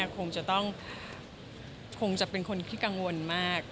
คงจะเป็นคนที่กังวลมาก